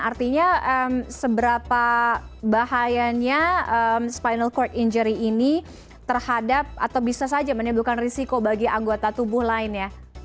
artinya seberapa bahayanya spinal cord injury ini terhadap atau bisa saja menimbulkan risiko bagi anggota tubuh lain ya